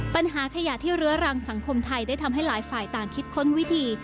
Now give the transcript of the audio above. ปัญหาขยะที่เรื้อรังสังคมไทยได้ทำให้หลายฝ่ายต่างคิดค้นวิธี